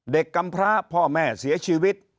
กำพระพ่อแม่เสียชีวิต